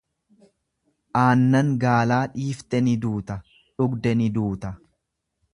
Aannan gaalaa dhiifte ni duuta, dhugde ni duuta.